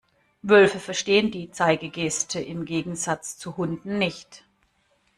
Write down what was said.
Wölfe verstehen die Zeigegeste im Gegensatz zu Hunden nicht.